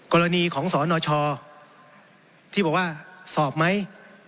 กรณีของสนชที่บอกว่าสอบไหม